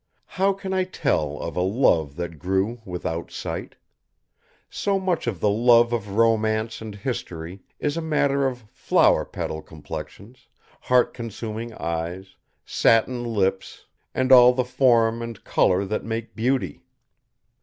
How can I tell of a love that grew without sight? So much of the love of romance and history is a matter of flower petal complexions, heart consuming eyes, satin lips, and all the form and color that make beauty.